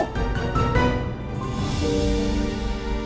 kamu mau ke rumah